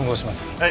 はい。